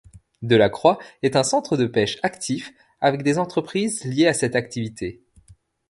Delacroix est un centre de pêche actif, avec des entreprises liées à cette activités.